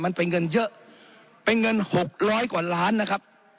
มันเป็นเงินเยอะเป็นเงินหกร้อยกว่าล้านนะครับ